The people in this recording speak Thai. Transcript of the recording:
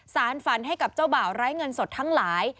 สารฝันให้กับเจ้าบ่าวไร้เงินสดทั้งหลาย